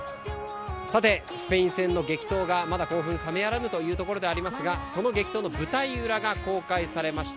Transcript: スペイン戦の激闘がまだ興奮冷めやらぬというところでありますがその激闘の舞台裏が公開されました。